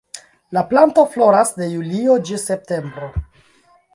La planto floras de julio ĝis septembro.